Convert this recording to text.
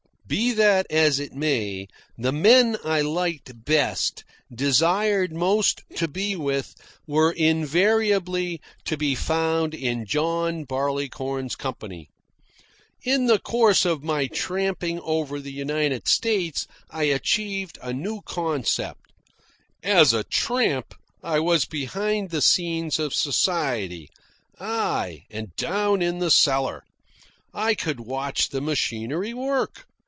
Be that as it may, the men I liked best, desired most to be with, were invariably to be found in John Barleycorn's company. In the course of my tramping over the United States I achieved a new concept. As a tramp, I was behind the scenes of society aye, and down in the cellar. I could watch the machinery work.